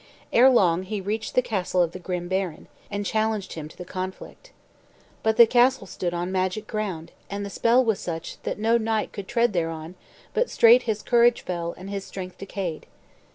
Ere long he reached the castle of the grim baron, and challenged him to the conflict. But the castle stood on magic ground, and the spell was such that no knight could tread thereon but straight his courage fell and his strength decayed.